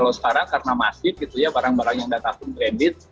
kalau sekarang karena masif gitu ya barang barang yang datang pun kredit